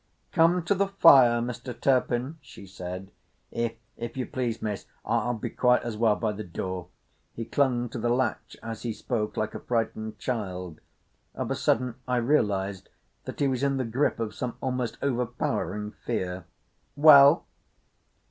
"Come to the fire, Mr. Turpin," she said. "If—if you please, Miss, I'll—I'll be quite as well by the door." He clung to the latch as he spoke like a frightened child. Of a sudden I realised that he was in the grip of some almost overpowering fear. "Well?"